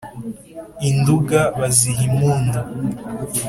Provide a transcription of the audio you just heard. I Nduga baziha impundu